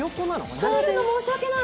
食べるの申し訳ない。